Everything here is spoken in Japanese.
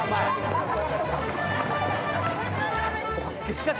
しかし。